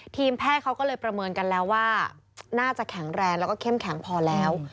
ทีมแพทย์เขาก็เลยประเมินกันแล้วว่าน่าจะแข็งแรงแล้วก็เข้มแข็งพอแล้ว